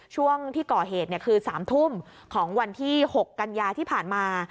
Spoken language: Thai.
ช่วงที่ก่อเหตุคือ๓ทุ่มของวันที่๖กันยาที่ผ่านมา